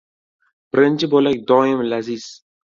• Birinchi bo‘lak doim laziz.